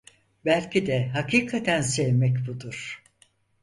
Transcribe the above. Belki de hakikaten sevmek budur.